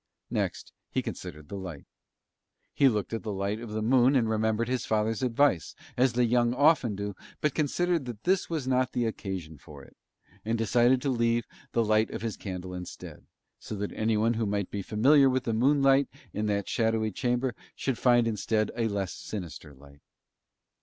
Next he considered the light. He looked at the light of the moon and remembered his father's advice, as the young often do, but considered that this was not the occasion for it, and decided to leave the light of his candle instead, so that anyone who might be familiar with the moonlight in that shadowy chamber should find instead a less sinister light.